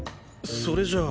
それじゃあ。